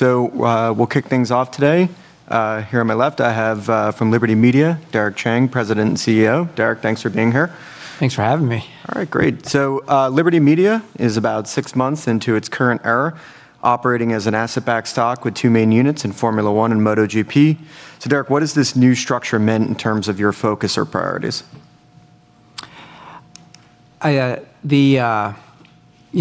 We'll kick things off today. Here on my left, I have from Liberty Media, Derek Chang, President and CEO. Derek, thanks for being here. Thanks for having me. All right, great. Liberty Media is about six months into its current era, operating as an asset-backed stock with two main units in Formula 1 and MotoGP. Derek, what has this new structure meant in terms of your focus or priorities? I, you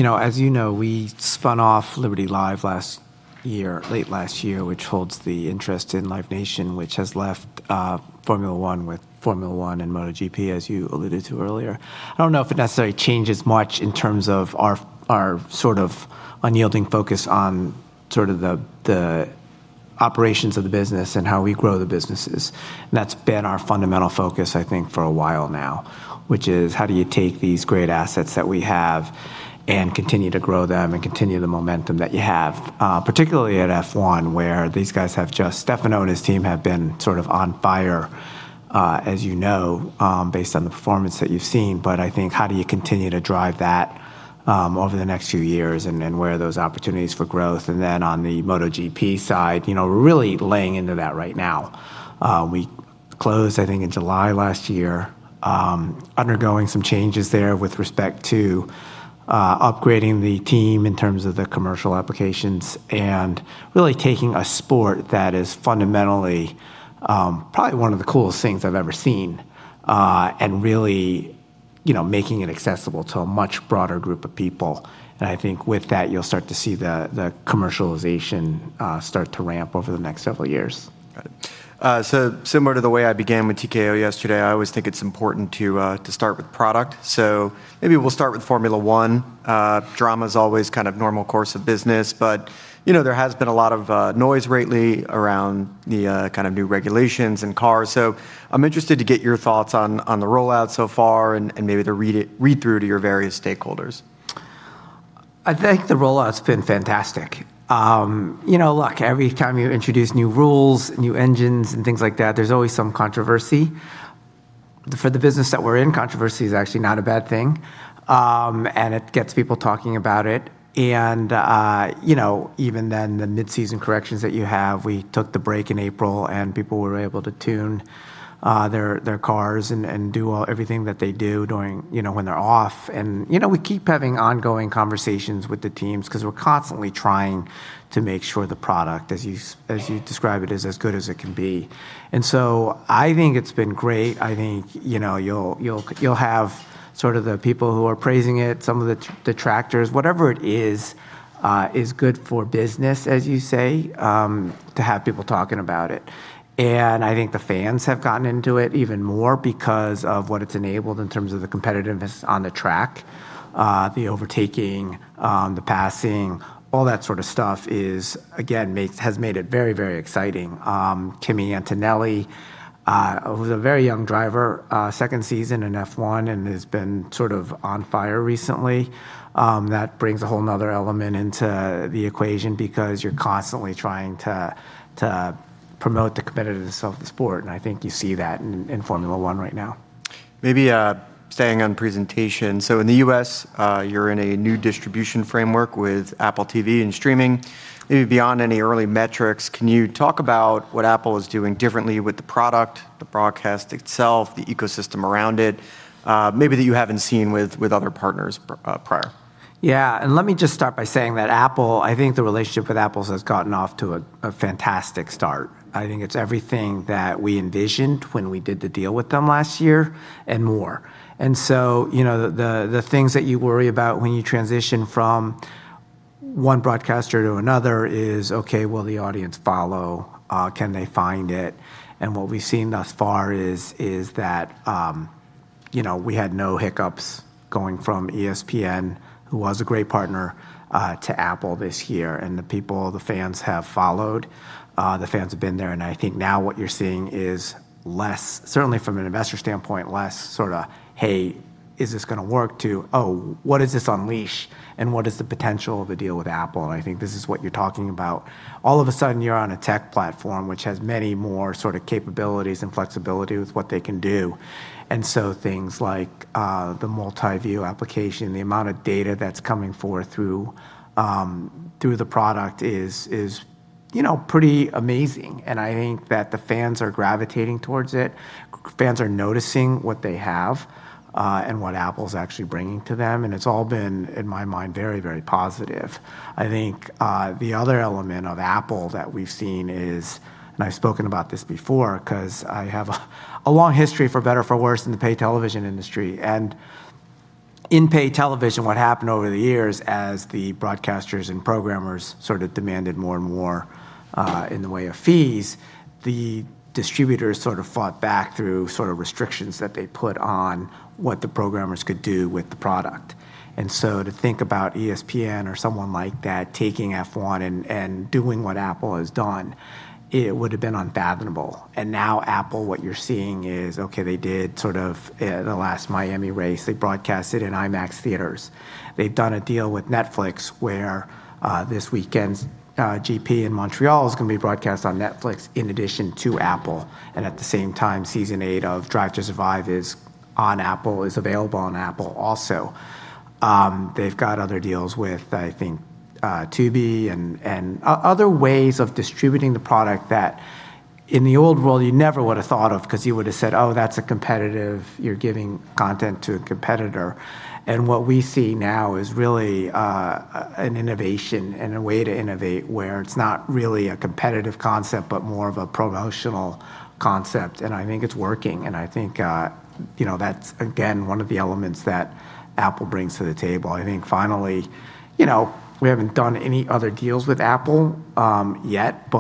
know, as you know, we spun off Liberty Live last year, late last year, which holds the interest in Live Nation, which has left Formula 1 with Formula 1 and MotoGP, as you alluded to earlier. I don't know if it necessarily changes much in terms of our sort of unyielding focus on sort of the operations of the business and how we grow the businesses. That's been our fundamental focus, I think, for a while now, which is how do you take these great assets that we have and continue to grow them and continue the momentum that you have? Particularly at F1, where Stefano and his team have been sort of on fire, as you know, based on the performance that you've seen. I think, how do you continue to drive that over the next few years and where are those opportunities for growth? On the MotoGP side, you know, we're really laying into that right now. We closed, I think, in July last year, undergoing some changes there with respect to upgrading the team in terms of the commercial applications and really taking a sport that is fundamentally probably one of the coolest things I've ever seen and really, you know, making it accessible to a much broader group of people. I think with that, you'll start to see the commercialization start to ramp over the next several years. Got it. Similar to the way I began with TKO yesterday, I always think it's important to start with product. Maybe we'll start with Formula 1. Drama's always kind of normal course of business, you know, there has been a lot of noise lately around the kind of new regulations and cars. I'm interested to get your thoughts on the rollout so far and maybe the read-through to your various stakeholders. I think the rollout's been fantastic. You know, look, every time you introduce new rules, new engines and things like that, there's always some controversy. For the business that we're in, controversy is actually not a bad thing. It gets people talking about it. You know, even then the mid-season corrections that you have, we took the break in April, and people were able to tune their cars and do everything that they do during, you know, when they're off. You know, we keep having ongoing conversations with the teams 'cause we're constantly trying to make sure the product, as you describe it, is as good as it can be. I think it's been great. I think, you know, you'll have sort of the people who are praising it, some of the detractors. Whatever it is good for business, as you say, to have people talking about it. I think the fans have gotten into it even more because of what it's enabled in terms of the competitiveness on the track. The overtaking, the passing, all that sort of stuff is, again, has made it very, very exciting. Kimi Antonelli, who's a very young driver, second season in F1 and has been sort of on fire recently, that brings a whole nother element into the equation because you're constantly trying to promote the competitiveness of the sport, and I think you see that in Formula 1 right now. Staying on presentation. In the U.S., you're in a new distribution framework with Apple TV and streaming. Beyond any early metrics, can you talk about what Apple is doing differently with the product, the broadcast itself, the ecosystem around it, that you haven't seen with other partners prior? Yeah. Let me just start by saying that Apple, I think the relationship with Apple has gotten off to a fantastic start. I think it's everything that we envisioned when we did the deal with them last year and more. You know, the things that you worry about when you transition from one broadcaster to another is, okay, will the audience follow? Can they find it? What we've seen thus far is that, you know, we had no hiccups going from ESPN, who was a great partner, to Apple this year. The people, the fans have followed. The fans have been there. I think now what you're seeing is less, certainly from an investor standpoint, less sort of, "Hey, is this gonna work?" to, "Oh, what does this unleash, and what is the potential of the deal with Apple?" I think this is what you're talking about. All of a sudden, you're on a tech platform, which has many more sort of capabilities and flexibility with what they can do. Things like the multi-view application, the amount of data that's coming forth through the product is, you know, pretty amazing. Fans are noticing what they have, and what Apple's actually bringing to them, and it's all been, in my mind, very, very positive. I think the other element of Apple that we've seen is, and I've spoken about this before 'cause I have a long history for better or for worse in the pay television industry. In pay television, what happened over the years as the broadcasters and programmers sort of demanded more and more in the way of fees, the distributors sort of fought back through sort of restrictions that they put on what the programmers could do with the product. To think about ESPN or someone like that taking F1 and doing what Apple has done, it would've been unfathomable. Now Apple, what you're seeing is, okay, they did sort of the last Miami race. They broadcast it in IMAX theaters. They've done a deal with Netflix where this weekend's GP in Montreal is gonna be broadcast on Netflix in addition to Apple. At the same time, season eight of Drive to Survive is available on Apple also. They've got other deals with, I think, Tubi and other ways of distributing the product that in the old world you never would've thought of 'cause you would've said, "Oh, you're giving content to a competitor." What we see now is really an innovation and a way to innovate where it's not really a competitive concept, but more of a promotional concept, and I think it's working. I think, you know, that's again, one of the elements that Apple brings to the table. I think finally, you know, we haven't done any other deals with Apple yet.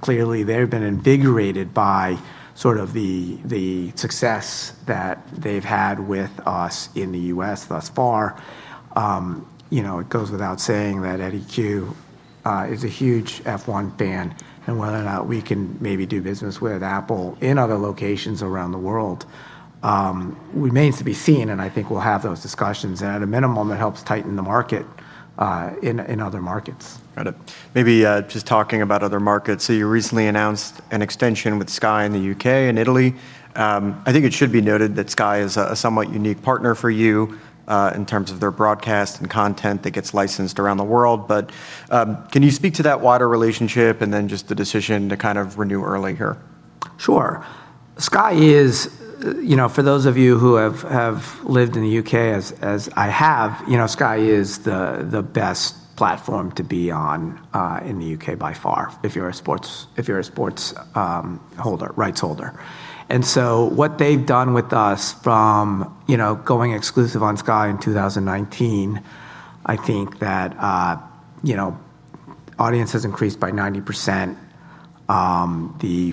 Clearly, they've been invigorated by the success that they've had with us in the U.S. thus far. You know, it goes without saying that Eddy Cue is a huge F1 fan. Whether or not we can maybe do business with Apple in other locations around the world remains to be seen. I think we'll have those discussions. At a minimum, it helps tighten the market in other markets. Got it. Maybe, just talking about other markets, you recently announced an extension with Sky in the U.K. and Italy. I think it should be noted that Sky is a somewhat unique partner for you, in terms of their broadcast and content that gets licensed around the world. Can you speak to that wider relationship and then just the decision to kind of renew earlier? Sure. Sky is You know, for those of you who have lived in the U.K. as I have, you know, Sky is the best platform to be on in the U.K. by far if you're a sports holder, rights holder. What they've done with us from, you know, going exclusive on Sky in 2019, I think that, you know, audience has increased by 90%. The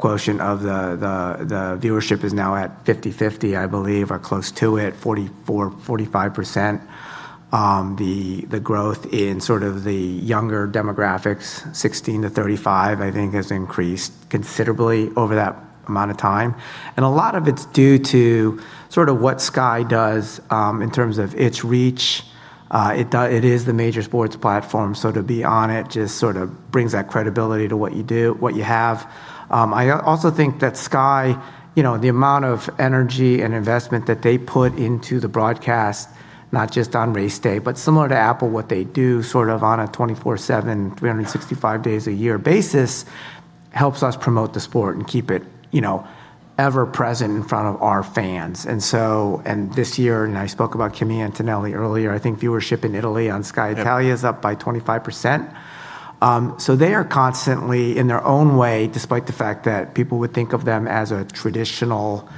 female quotient of the viewership is now at 50-50, I believe, or close to it, 44%-45%. The growth in sort of the younger demographics, 16-35, I think has increased considerably over that amount of time. A lot of it's due to sort of what Sky does in terms of its reach. It is the major sports platform, so to be on it just sort of brings that credibility to what you do, what you have. I also think that Sky, you know, the amount of energy and investment that they put into the broadcast, not just on race day, but similar to Apple, what they do sort of on a 24/7, 365 days a year basis, helps us promote the sport and keep it, you know, ever present in front of our fans. This year, I spoke about Kimi Antonelli earlier, I think viewership in Italy on Sky Italia. Yeah is up by 25%. They are constantly in their own way, despite the fact that people would think of them as a traditional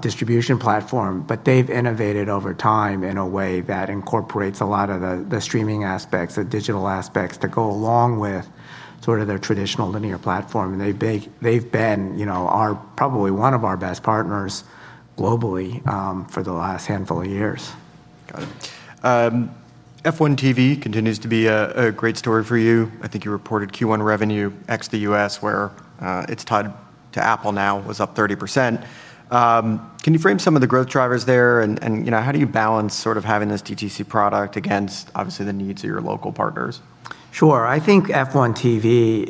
distribution platform, but they've innovated over time in a way that incorporates a lot of the streaming aspects, the digital aspects to go along with sort of their traditional linear platform. They've been, you know, our probably one of our best partners globally for the last handful of years. Got it. F1 TV continues to be a great story for you. I think you reported Q1 revenue ex the U.S., where it's tied to Apple now, was up 30%. Can you frame some of the growth drivers there and, you know, how do you balance sort of having this DTC product against obviously the needs of your local partners? Sure. I think F1 TV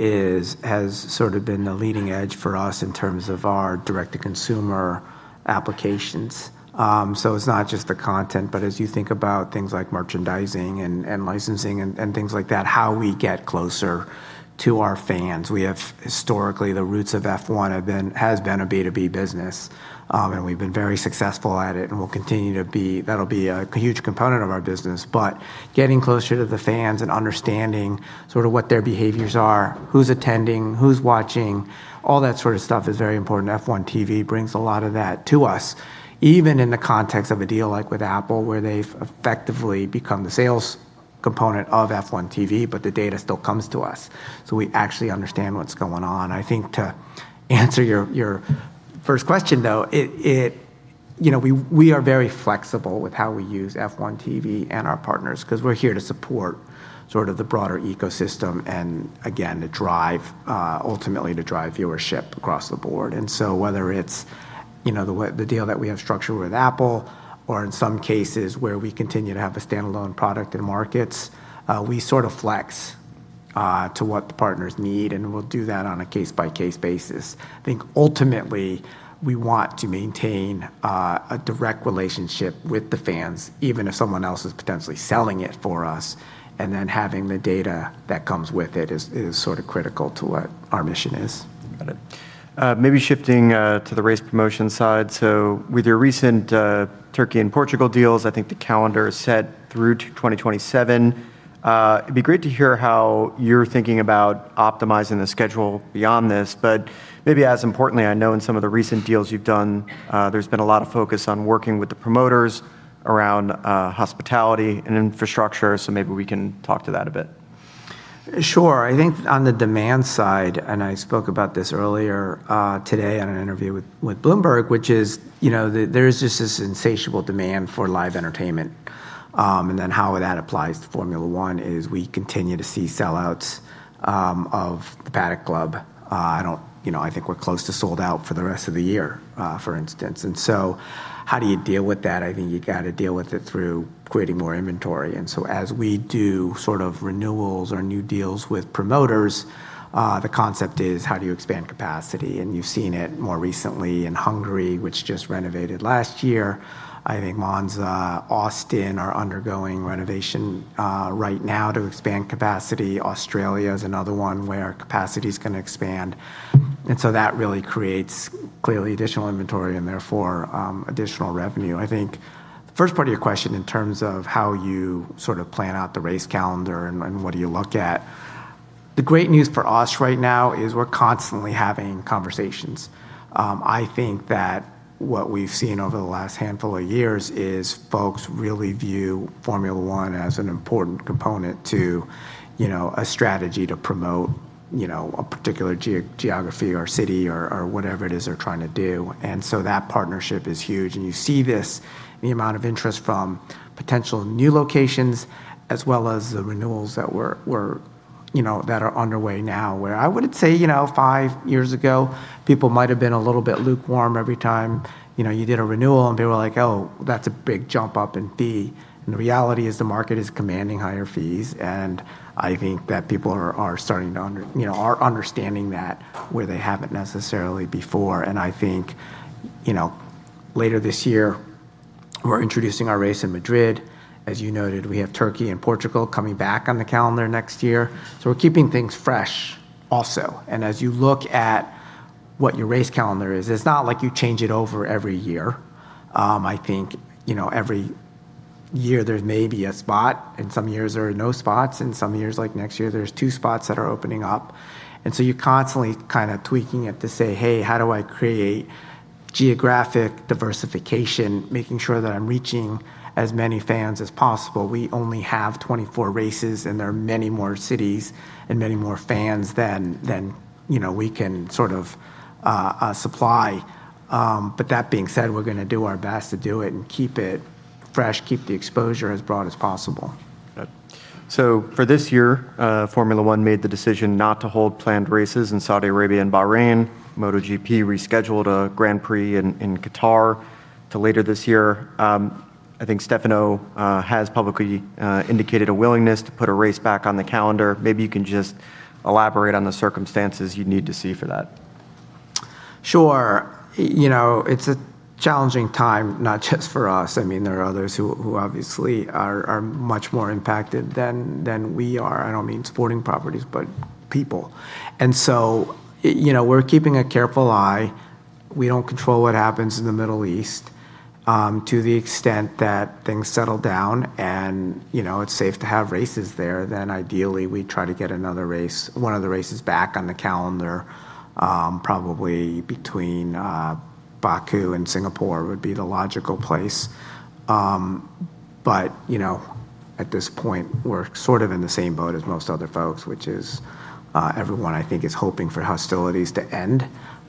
has sort of been the leading edge for us in terms of our direct-to-consumer applications. It's not just the content, but as you think about things like merchandising and licensing and things like that, how we get closer to our fans. We have historically, the roots of F1 has been a B2B business, and we've been very successful at it and will continue to be. That'll be a huge component of our business. Getting closer to the fans and understanding sort of what their behaviors are, who's attending, who's watching, all that sort of stuff is very important. F1 TV brings a lot of that to us, even in the context of a deal like with Apple, where they've effectively become the sales component of F1 TV, but the data still comes to us, so we actually understand what's going on. I think to answer your first question though, You know, we are very flexible with how we use F1 TV and our partners 'cause we're here to support sort of the broader ecosystem and again, to drive, ultimately to drive viewership across the board. Whether it's, you know, the deal that we have structured with Apple or in some cases where we continue to have a standalone product in markets, we sort of flex to what the partners need, and we'll do that on a case-by-case basis. I think ultimately, we want to maintain a direct relationship with the fans, even if someone else is potentially selling it for us, and then having the data that comes with it is sort of critical to what our mission is. Got it. Maybe shifting to the race promotion side. With your recent Türkiye and Portugal deals, I think the calendar is set through 2027. It'd be great to hear how you're thinking about optimizing the schedule beyond this. Maybe as importantly, I know in some of the recent deals you've done, there's been a lot of focus on working with the promoters around hospitality and infrastructure, so maybe we can talk to that a bit. Sure. I think on the demand side, and I spoke about this earlier today on an interview with Bloomberg, which is, you know, there is just this insatiable demand for live entertainment. How that applies to Formula 1 is we continue to see sellouts of the Paddock Club. You know, I think we're close to sold out for the rest of the year, for instance. How do you deal with that? I think you gotta deal with it through creating more inventory. As we do sort of renewals or new deals with promoters, the concept is how do you expand capacity? You've seen it more recently in Hungary, which just renovated last year. I think Monza, Austin are undergoing renovation right now to expand capacity. Australia is another one where capacity's gonna expand. That really creates clearly additional inventory and therefore, additional revenue. I think the first part of your question in terms of how you sort of plan out the race calendar and what do you look at. The great news for us right now is we're constantly having conversations. I think that what we've seen over the last handful of years is folks really view Formula 1 as an important component to, you know, a strategy to promote, you know, a particular geography or city or whatever it is they're trying to do. That partnership is huge. You see this in the amount of interest from potential new locations as well as the renewals that we're, you know, that are underway now, where I wouldn't say, you know, five years ago, people might have been a little bit lukewarm every time, you know, you did a renewal, and they were like, "Oh, that's a big jump up in fee." The reality is the market is commanding higher fees, and I think that people are, you know, understanding that where they haven't necessarily before. I think, you know, later this year we're introducing our race in Madrid. As you noted, we have Türkiye and Portugal coming back on the calendar next year. We're keeping things fresh also. As you look at what your race calendar is, it's not like you change it over every year. I think, you know, every year there's maybe a spot, and some years there are no spots, and some years, like next year, there's two spots that are opening up. You're constantly kinda tweaking it to say, "Hey, how do I create geographic diversification, making sure that I'm reaching as many fans as possible?" We only have 24 races, and there are many more cities and many more fans than, you know, we can sort of supply. That being said, we're gonna do our best to do it and keep it fresh, keep the exposure as broad as possible. Got it. For this year, Formula 1 made the decision not to hold planned races in Saudi Arabia and Bahrain. MotoGP rescheduled a Grand Prix in Qatar to later this year. I think Stefano has publicly indicated a willingness to put a race back on the calendar. Maybe you can just elaborate on the circumstances you'd need to see for that. Sure. You know, it's a challenging time, not just for us. I mean, there are others who obviously are much more impacted than we are. I don't mean sporting properties, but people. You know, we're keeping a careful eye. We don't control what happens in the Middle East. To the extent that things settle down and, you know, it's safe to have races there, then ideally we try to get another race, one of the races back on the calendar, probably between Baku and Singapore would be the logical place. You know, at this point, we're sort of in the same boat as most other folks, which is everyone, I think, is hoping for hostilities to end,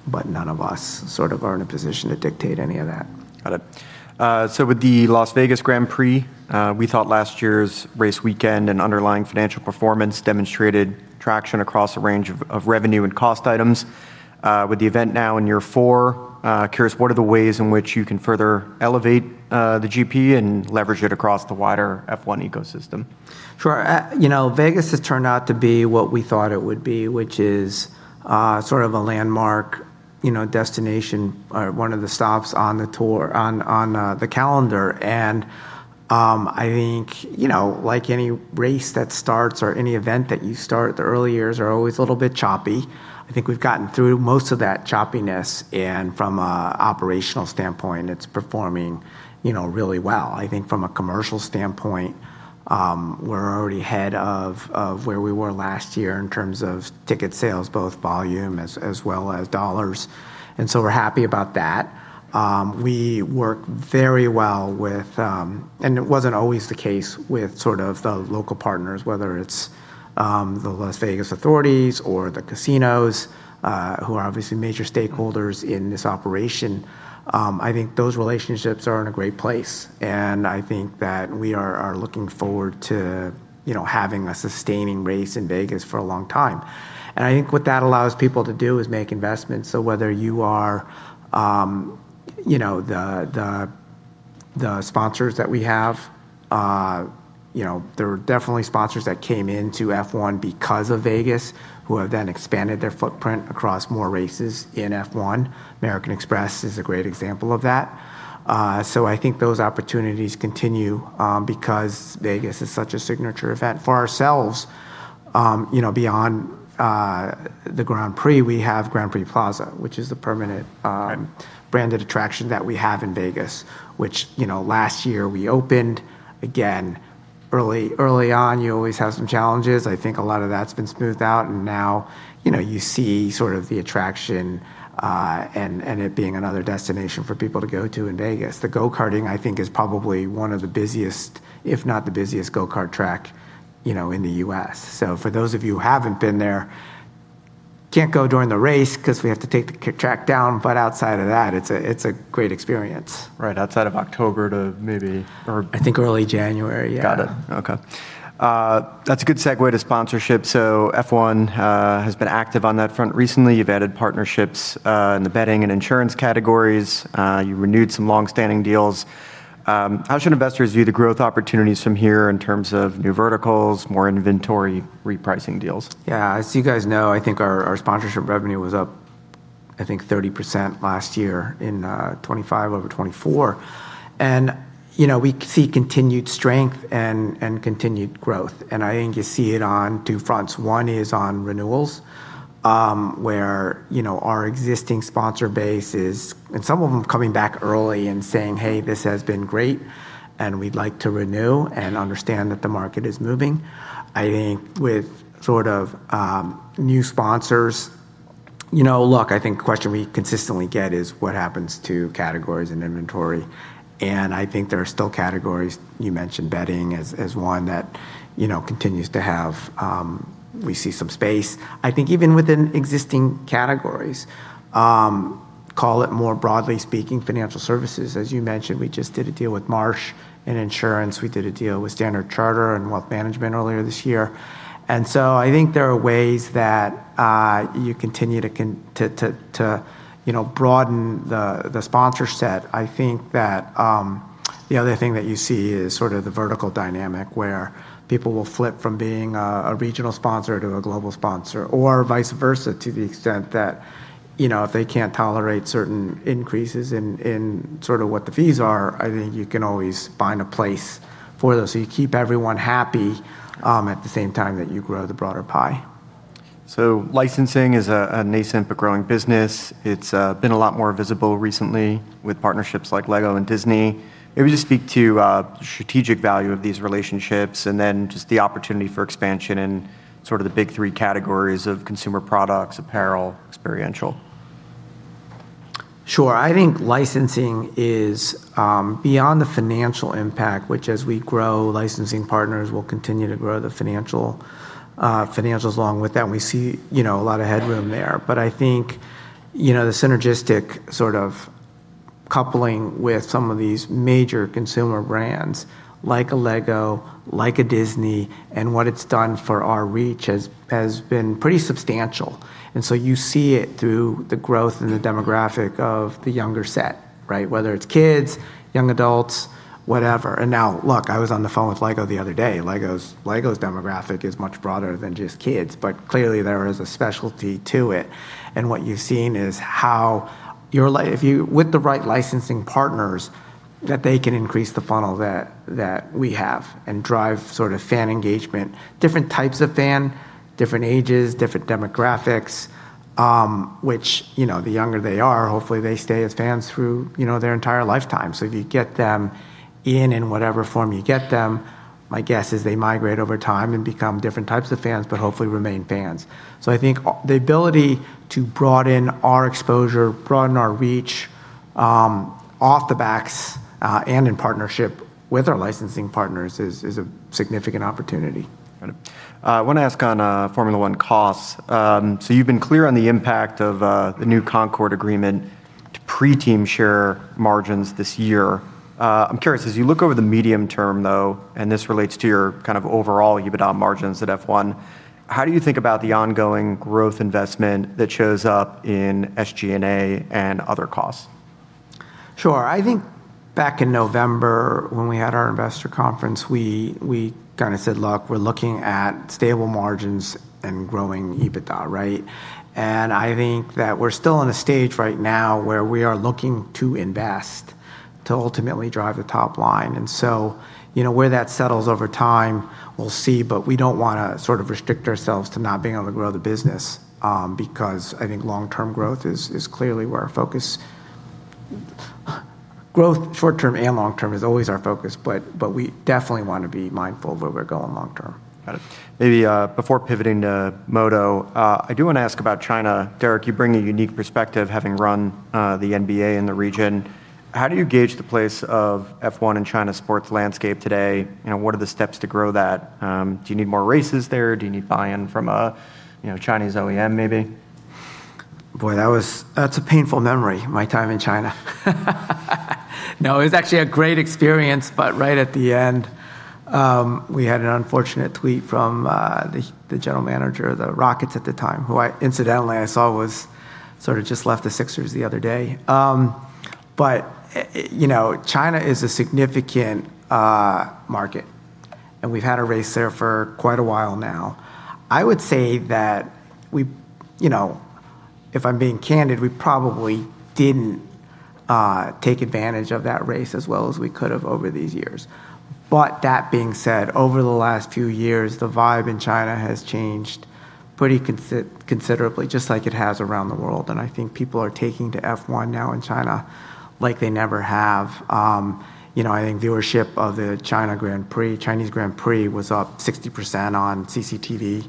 but none of us sort of are in a position to dictate any of that. Got it. With the Las Vegas Grand Prix, we thought last year's race weekend and underlying financial performance demonstrated traction across a range of revenue and cost items. With the event now in year four, curious, what are the ways in which you can further elevate the GP and leverage it across the wider F1 ecosystem? Sure. You know, Vegas has turned out to be what we thought it would be, which is sort of a landmark, you know, destination, one of the stops on the tour, on the calendar. I think, you know, like any race that starts or any event that you start, the early years are always a little bit choppy. I think we've gotten through most of that choppiness, and from an operational standpoint, it's performing, you know, really well. I think from a commercial standpoint, we're already ahead of where we were last year in terms of ticket sales, both volume as well as dollars. We're happy about that. We work very well with, and it wasn't always the case with sort of the local partners, whether it's the Las Vegas authorities or the casinos, who are obviously major stakeholders in this operation. I think those relationships are in a great place, and I think that we are looking forward to, you know, having a sustaining race in Vegas for a long time. I think what that allows people to do is make investments. Whether you are, you know, the sponsors that we have, you know, there were definitely sponsors that came into F1 because of Vegas who have then expanded their footprint across more races in F1. American Express is a great example of that. I think those opportunities continue because Vegas is such a signature event. For ourselves, you know, beyond, the Grand Prix, we have Grand Prix Plaza, which is the permanent, branded attraction that we have in Vegas, which, you know, last year we opened. Early on, you always have some challenges. I think a lot of that's been smoothed out and now, you know, you see sort of the attraction, and it being another destination for people to go to in Vegas. The go-karting, I think, is probably one of the busiest, if not the busiest go-kart track, you know, in the U.S. For those of you who haven't been there, can't go during the race 'cause we have to take the kart track down, but outside of that, it's a, it's a great experience. Right outside of October to maybe. I think early January, yeah. Got it. Okay. That's a good segue to sponsorship. F1 has been active on that front recently. You've added partnerships in the betting and insurance categories. You renewed some long-standing deals. How should investors view the growth opportunities from here in terms of new verticals, more inventory repricing deals? Yeah. As you guys know, I think our sponsorship revenue was up 30% last year in 2025 over 2024. You know, we see continued strength and continued growth, and I think you see it on two fronts. One is on renewals, where, you know, our existing sponsor base and some of them coming back early and saying, "Hey, this has been great, and we'd like to renew and understand that the market is moving." I think with sort of new sponsors. You know, look, I think the question we consistently get is what happens to categories and inventory, and I think there are still categories, you mentioned betting as one that, you know, continues to have, we see some space. I think even within existing categories, call it more broadly speaking, financial services, as you mentioned, we just did a deal with Marsh in insurance. We did a deal with Standard Chartered in wealth management earlier this year. I think there are ways that you continue to, you know, broaden the sponsor set. I think that the other thing that you see is sort of the vertical dynamic where people will flip from being a regional sponsor to a global sponsor or vice versa to the extent that, you know, if they can't tolerate certain increases in sort of what the fees are, I think you can always find a place for those. You keep everyone happy at the same time that you grow the broader pie. Licensing is a nascent but growing business. It's been a lot more visible recently with partnerships like LEGO and Disney. Maybe just speak to strategic value of these relationships and then just the opportunity for expansion in sort of the big three categories of consumer products, apparel, experiential. Sure. I think licensing is beyond the financial impact, which as we grow, licensing partners will continue to grow the financials along with that, and we see, you know, a lot of headroom there. I think, you know, the synergistic sort of coupling with some of these major consumer brands like a LEGO, like a Disney, and what it's done for our reach has been pretty substantial. You see it through the growth and the demographic of the younger set, right? Whether it's kids, young adults, whatever. Look, I was on the phone with LEGO the other day. LEGO's demographic is much broader than just kids, but clearly there is a specialty to it. What you've seen is how you're if you with the right licensing partners, that they can increase the funnel that we have and drive sort of fan engagement, different types of fan, different ages, different demographics, which, you know, the younger they are, hopefully they stay as fans through, you know, their entire lifetime. If you get them in in whatever form you get them, my guess is they migrate over time and become different types of fans, but hopefully remain fans. I think the ability to broaden our exposure, broaden our reach, off the backs, and in partnership with our licensing partners is a significant opportunity. Got it. I wanna ask on Formula 1 costs. You've been clear on the impact of the new Concorde Agreement to pre-team share margins this year. I'm curious, as you look over the medium term, though, and this relates to your kind of overall EBITDA margins at F1, how do you think about the ongoing growth investment that shows up in SG&A and other costs? Sure. I think back in November when we had our investor conference, we kind of said, "Look, we're looking at stable margins and growing EBITDA," right? I think that we're still in a stage right now where we are looking to invest to ultimately drive the top line. You know, where that settles over time, we'll see, but we don't want to sort of restrict ourselves to not being able to grow the business, because I think long-term growth is clearly where our focus. Growth short-term and long-term is always our focus, but we definitely want to be mindful of where we're going long term. Got it. Maybe, before pivoting to MotoGP, I do wanna ask about China. Derek, you bring a unique perspective having run the NBA in the region. How do you gauge the place of F1 in China sports landscape today? You know, what are the steps to grow that? Do you need more races there? Do you need buy-in from a, you know, Chinese OEM maybe? Boy, that's a painful memory, my time in China. It was actually a great experience, but right at the end, we had an unfortunate tweet from the general manager of the Rockets at the time, who I incidentally I saw was, sort of just left the Sixers the other day. You know, China is a significant market, and we've had a race there for quite a while now. I would say that we, you know, if I'm being candid, we probably didn't take advantage of that race as well as we could have over these years. That being said, over the last few years, the vibe in China has changed pretty considerably, just like it has around the world. I think people are taking to F1 now in China like they never have. You know, I think viewership of the China Grand Prix, Chinese Grand Prix was up 60% on CCTV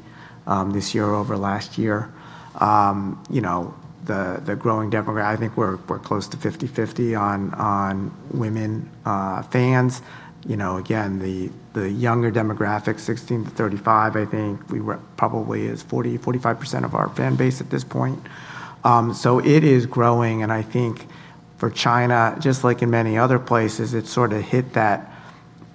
this year over last year. You know, the growing demographic, I think we're close to 50/50 on women fans. You know, again, the younger demographic, 16-35, I think we were probably 40%-45% of our fan base at this point. It is growing, and I think for China, just like in many other places, it sorta hit that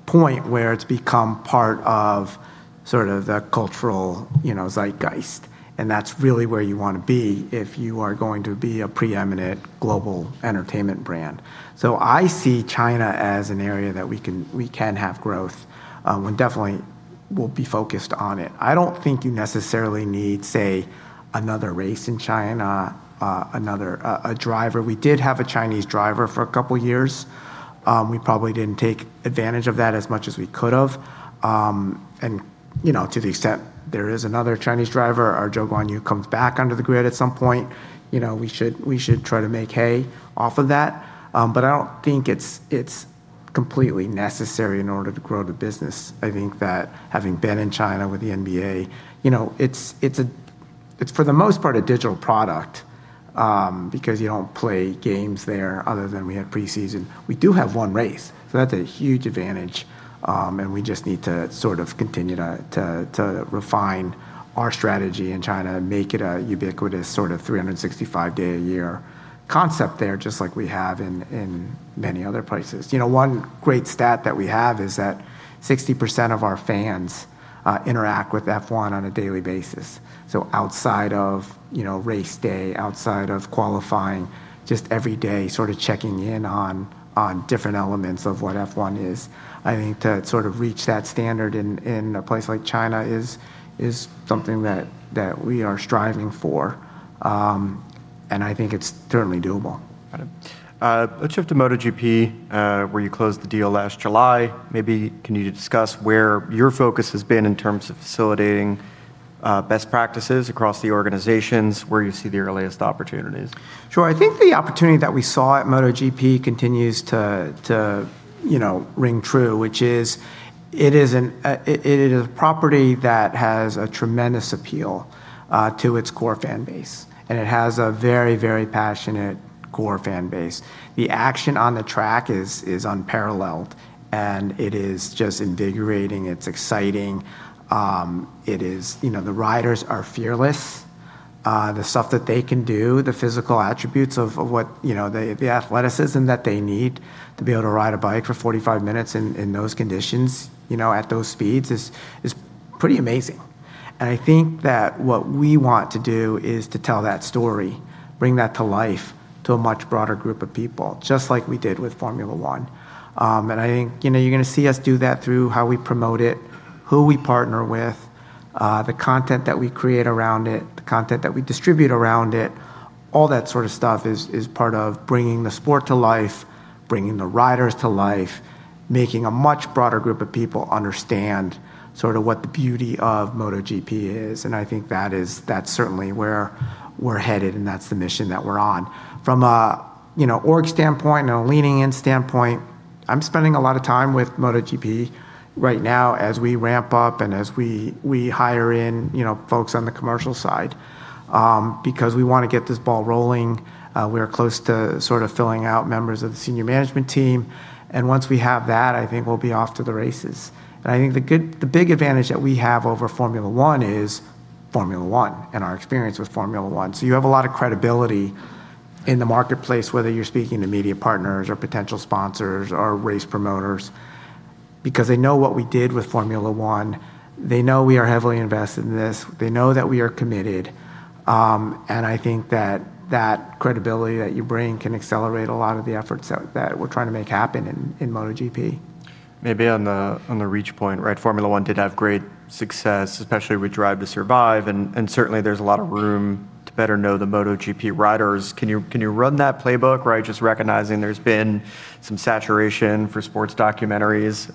point where it's become part of sort of the cultural, you know, zeitgeist, and that's really where you wanna be if you are going to be a preeminent global entertainment brand. I see China as an area that we can have growth, we definitely will be focused on it. I don't think you necessarily need, say, another race in China, another driver. We did have a Chinese driver for a couple years. We probably didn't take advantage of that as much as we could have. You know, to the extent there is another Chinese driver or Zhou Guanyu comes back under the grid at some point, you know, we should try to make hay off of that. I don't think it's completely necessary in order to grow the business. I think that having been in China with the NBA, you know, it's a, it's for the most part a digital product, because you don't play games there other than we have pre-season. We do have one race, so that's a huge advantage. We just need to sort of continue to refine our strategy in China and make it a ubiquitous sort of 365 day a year concept there, just like we have in many other places. You know, one great stat that we have is that 60% of our fans interact with F1 on a daily basis. Outside of, you know, race day, outside of qualifying, just every day sort of checking in on different elements of what F1 is. I think to sort of reach that standard in a place like China is something that we are striving for. I think it's certainly doable. Got it. Let's shift to MotoGP, where you closed the deal last July. Maybe can you discuss where your focus has been in terms of facilitating best practices across the organizations, where you see the earliest opportunities? Sure. I think the opportunity that we saw at MotoGP continues to ring true, which is it is a property that has a tremendous appeal to its core fan base, and it has a very passionate core fan base. The action on the track is unparalleled, it is just invigorating, it's exciting. The riders are fearless. The stuff that they can do, the physical attributes of what the athleticism that they need to be able to ride a bike for 46 min. In those conditions, at those speeds is pretty amazing. I think that what we want to do is to tell that story, bring that to life to a much broader group of people, just like we did with Formula 1. I think, you know, you're gonna see us do that through how we promote it, who we partner with, the content that we create around it, the content that we distribute around it. All that sort of stuff is part of bringing the sport to life, bringing the riders to life, making a much broader group of people understand sort of what the beauty of MotoGP is. I think that is, that's certainly where we're headed, and that's the mission that we're on. From a, you know, org standpoint and a leaning in standpoint, I'm spending a lot of time with MotoGP right now as we ramp up and as we hire in, you know, folks on the commercial side, because we wanna get this ball rolling. We are close to sort of filling out members of the senior management team, and once we have that, I think we'll be off to the races. I think the big advantage that we have over Formula 1 is Formula 1 and our experience with Formula 1. You have a lot of credibility in the marketplace, whether you're speaking to media partners or potential sponsors or race promoters, because they know what we did with Formula 1. They know we are heavily invested in this. They know that we are committed. I think that credibility that you bring can accelerate a lot of the efforts that we're trying to make happen in MotoGP. Maybe on the, on the reach point, right, Formula 1 did have great success, especially with Drive to Survive, and certainly there's a lot of room to better know the MotoGP riders. Can you run that playbook? Right. Just recognizing there's been some saturation for sports documentaries.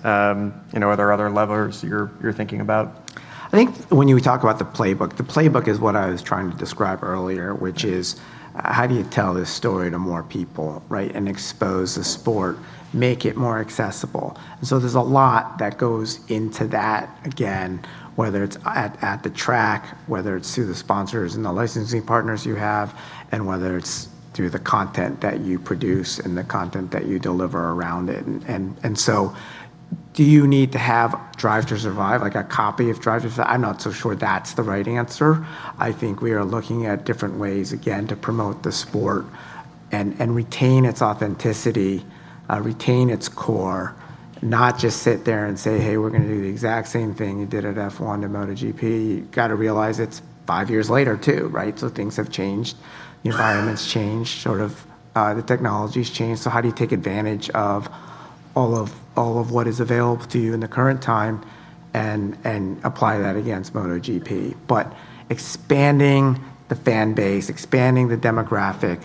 You know, are there other levers you're thinking about? I think when you talk about the playbook, the playbook is what I was trying to describe earlier, which is how do you tell this story to more people, right, and expose the sport, make it more accessible? There's a lot that goes into that, again, whether it's at the track, whether it's through the sponsors and the licensing partners you have, and whether it's through the content that you produce and the content that you deliver around it. Do you need to have Drive to Survive, like a copy of Drive to Survive? I'm not so sure that's the right answer. I think we are looking at different ways, again, to promote the sport and retain its authenticity, retain its core, not just sit there and say, "Hey, we're gonna do the exact same thing you did at F1 to MotoGP." You gotta realize it's five years later too, right? Things have changed. Environments changed, sort of, the technology's changed. How do you take advantage of all of what is available to you in the current time and apply that against MotoGP? Expanding the fan base, expanding the demographic,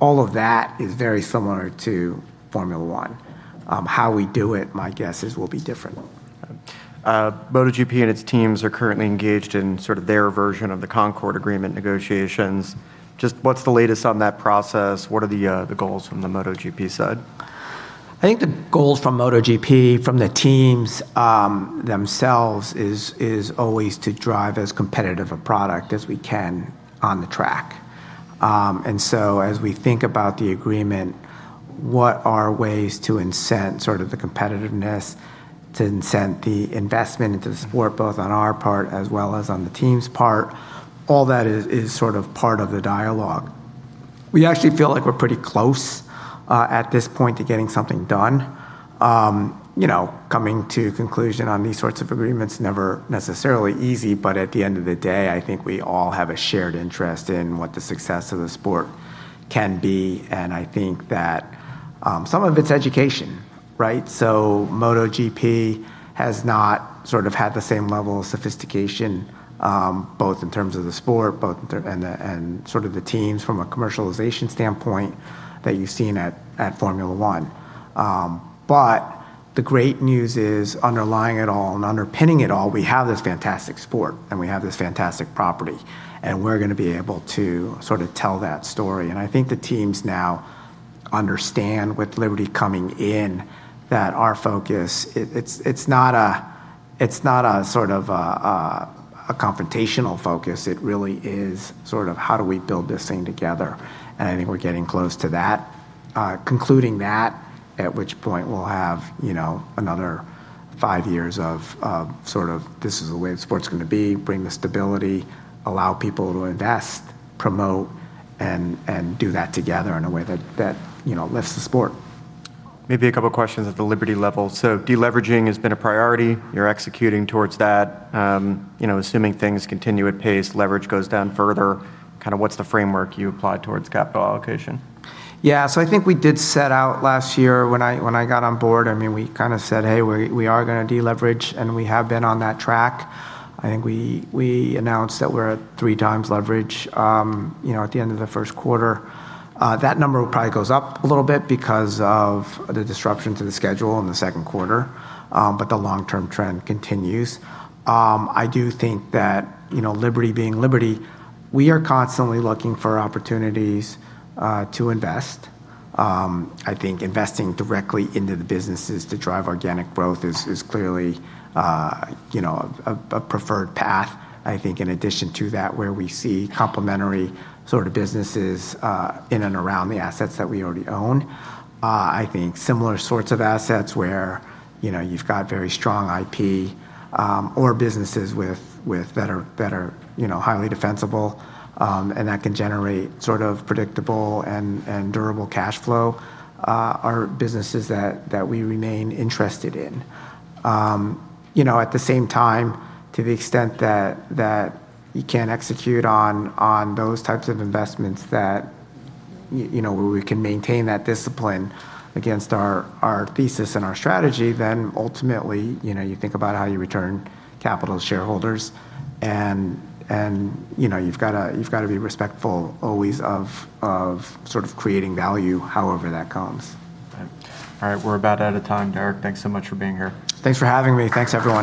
all of that is very similar to Formula 1. How we do it, my guess is, will be different. MotoGP and its teams are currently engaged in sort of their version of the Concorde Agreement negotiations. Just what's the latest on that process? What are the goals from the MotoGP side? I think the goals from MotoGP, from the teams themselves is always to drive as competitive a product as we can on the track. As we think about the agreement, what are ways to incent sort of the competitiveness, to incent the investment into the sport, both on our part as well as on the team's part? All that is sort of part of the dialogue. We actually feel like we're pretty close at this point to getting something done. You know, coming to conclusion on these sorts of agreements, never necessarily easy, at the end of the day, I think we all have a shared interest in what the success of the sport can be. I think that some of it's education, right? MotoGP has not sort of had the same level of sophistication, both in terms of the sport and the teams from a commercialization standpoint that you've seen at Formula 1. The great news is underlying it all and underpinning it all, we have this fantastic sport, and we have this fantastic property, and we're gonna be able to sort of tell that story. I think the teams now understand with Liberty coming in that our focus it's not a sort of a confrontational focus. It really is sort of how do we build this thing together, and I think we're getting close to that. Concluding that, at which point we'll have, you know, another five years of sort of this is the way the sport's gonna be, bring the stability, allow people to invest, promote, and do that together in a way that, you know, lifts the sport. Maybe a couple questions at the Liberty level. De-leveraging has been a priority, you're executing towards that. You know, assuming things continue at pace, leverage goes down further, kinda what's the framework you apply towards capital allocation? Yeah. I think we did set out last year when I, when I got on board, we said, "Hey, we are gonna de-leverage," and we have been on that track. I think we announced that we're at 3x leverage at the end of the first quarter. That number probably goes up a little bit because of the disruption to the schedule in the second quarter, but the long-term trend continues. I do think that Liberty being Liberty, we are constantly looking for opportunities to invest. I think investing directly into the businesses to drive organic growth is clearly a preferred path. I think in addition to that, where we see complementary sorta businesses, in and around the assets that we already own. I think similar sorts of assets where, you know, you've got very strong IP, or businesses with that are, you know, highly defensible, and that can generate sort of predictable and durable cashflow, are businesses that we remain interested in. You know, at the same time, to the extent that you can execute on those types of investments where we can maintain that discipline against our thesis and our strategy, then ultimately, you know, you think about how you return capital to shareholders and, you know, you've gotta be respectful always of sort of creating value however that comes. All right. All right, we're about out of time, Derek. Thanks so much for being here. Thanks for having me. Thanks, everyone.